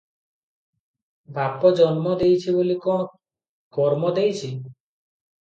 ବାପ ଜନ୍ମ ଦେଇଛି ବୋଲି କଣ କର୍ମ ଦେଇଛି?"